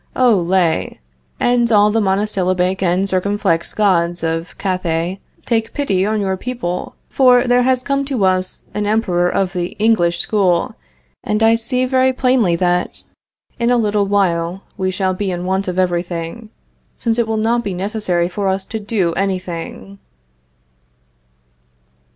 Oh, Le! and all the monosyllabic and circumflex gods of Cathay, take pity on your people; for, there has come to us an Emperor of the English school, and I see very plainly that, in a little while, we shall be in want of everything, since it will not be necessary for us to do anything!